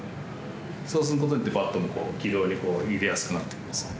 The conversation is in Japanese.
そうすることによってバットも軌道に入れやすくなってくるんですよね。